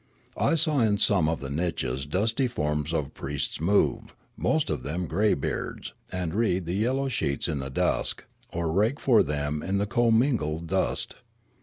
I saw in some of the niches dusty forms of priests move, most of them greybeards, and read the yellow sheets in the dusk, or rake for them in the commingled dust.